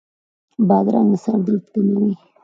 بادرنګ د سر درد کموي.